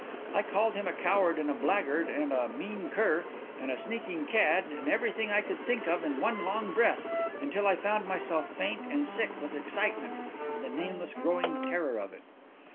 I called him a coward and a blackguard and a mean cur and a sneaking cad and everything I could think of in one long breath, until I found myself faint and sick with excitement and the nameless growing terror of it.